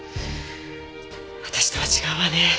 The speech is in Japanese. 私とは違うわね。